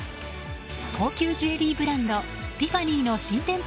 高級ジュエリーブランドティファニーの新店舗